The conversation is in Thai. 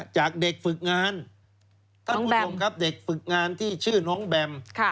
จากเด็กฝึกงานที่ชื่อน้องแบม